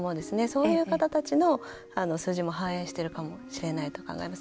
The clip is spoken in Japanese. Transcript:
そういう方たちの数字も反映してるかもしれないと考えます。